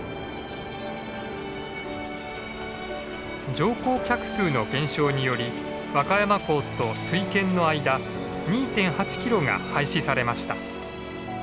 乗降客数の減少により和歌山港と水軒の間２．８キロが廃止されました。